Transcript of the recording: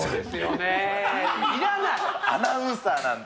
アナウンサーなんで。